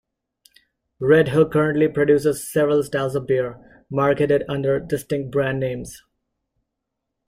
Redhook currently produces several styles of beer, marketed under distinct brand names.